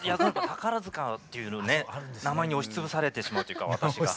宝塚という名前に押しつぶされてしまうというか私が。